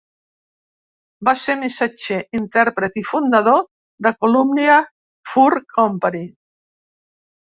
Va ser missatger, intèrpret i fundador de Columbia Fur Company.